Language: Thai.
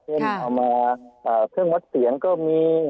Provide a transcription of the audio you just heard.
เอามาเครื่องวัดเสียงก็มี